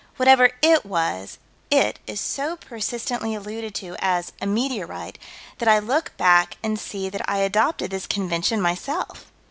Whatever "it" was, "it" is so persistently alluded to as "a meteorite" that I look back and see that I adopted this convention myself.